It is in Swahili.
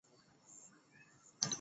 Mharo au kuhara